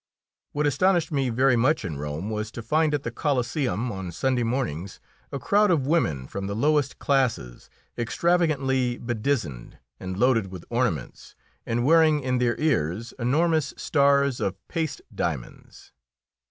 What astonished me very much in Rome was to find at the Coliseum, on Sunday mornings, a crowd of women from the lowest classes, extravagantly bedizened, loaded with ornaments, and wearing in their ears enormous stars of paste diamonds.